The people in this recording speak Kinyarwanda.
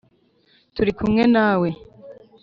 turi kumwe nawe